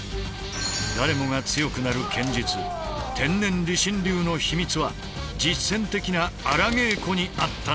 誰もが強くなる剣術天然理心流の秘密は実戦的な荒稽古にあったのだ。